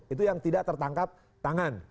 itu yang tidak tertangkap tangan